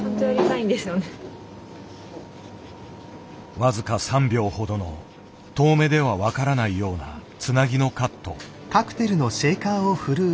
僅か３秒ほどの遠目では分からないようなつなぎのカット。